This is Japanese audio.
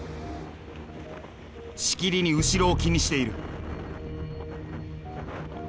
しきりに後ろを気にしている。